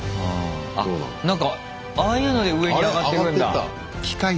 あなんかああいうので上にあがってくんだ。